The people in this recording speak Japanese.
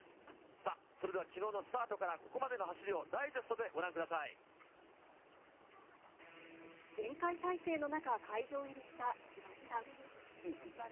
さあ、それではきのうのスタートからここまでの走りを、厳戒態勢の中、会場入りしたヒロミさん。